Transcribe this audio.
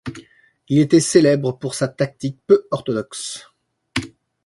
Il était célèbre pour sa tactique peu orthodoxe.